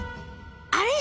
あれ？